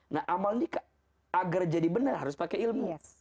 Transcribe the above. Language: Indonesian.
nah amal ini agar jadi benar harus pakai ilmu